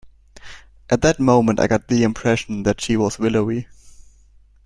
At that moment I got the impression that she was willowy.